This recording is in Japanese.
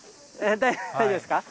大丈夫ですか。